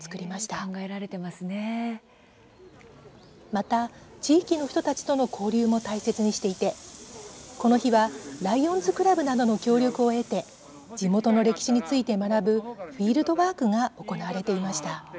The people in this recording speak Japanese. また、地域の人たちとの交流も大切にしていてこの日はライオンズクラブなどの協力を得て、地元の歴史について学ぶフィールドワークが行われていました。